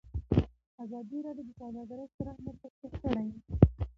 ازادي راډیو د سوداګري ستر اهميت تشریح کړی.